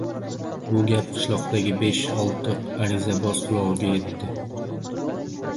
Bu gap qishloqdagi besh-olti arizaboz qulog‘iga yetdi.